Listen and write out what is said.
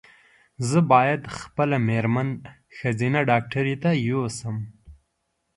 زه باید خپل مېرمن ښځېنه ډاکټري ته یو سم